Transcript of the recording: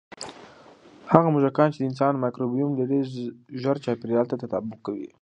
هغه موږکان چې د انسان مایکروبیوم لري، ژر چاپېریال ته تطابق کوي.